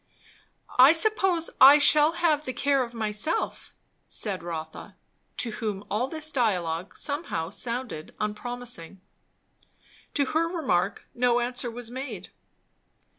"I suppose I shall have the care of myself," said Rotha; to whom all this dialogue somehow sounded unpromising. To her remark no answer was made.